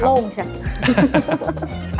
โล่งใช่มั้ย